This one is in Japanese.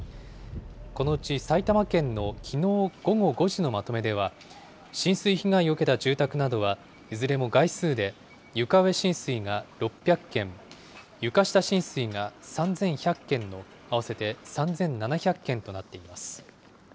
このうち埼玉県のきのう午後５時のまとめでは、浸水被害を受けた住宅などはいずれも概数で、床上浸水が６００件、床下浸水が３１００件の合わせて３７００件となっています。